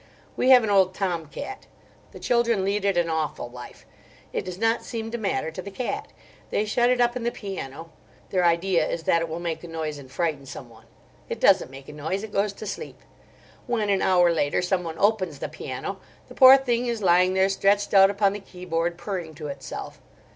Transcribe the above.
We have an old tom cat. The children lead it an awful life. It does not seem to matter to the cat. They shut it up in the piano: their idea is that it will make a noise and frighten someone. It doesn't make a noise; it goes to sleep. When an hour later someone opens the piano, the poor thing is lying there stretched out upon the keyboard purring to itself.